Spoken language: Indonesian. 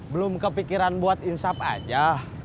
belum kepikiran buat insaf aja